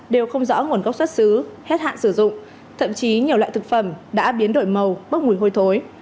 đều không rõ nguồn gốc xuất xứ hết hạn sử dụng thậm chí nhiều loại thực phẩm đã biến đổi màu bốc mùi hôi thối